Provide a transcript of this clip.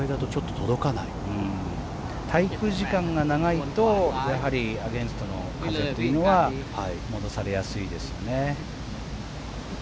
滞空時間が長いとアゲンストの風というのは戻されやすいですよね。